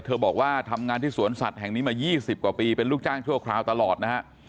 บอกว่าทำงานที่สวนสัตว์แห่งนี้มา๒๐กว่าปีเป็นลูกจ้างชั่วคราวตลอดนะฮะ